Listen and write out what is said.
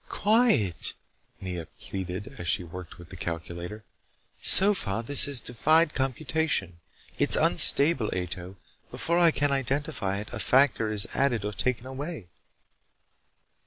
"Quiet," Nea pleaded as she worked with the calculator. "So far this has defied computation. It's unstable, Ato. Before I can identify it, a factor is added or taken away."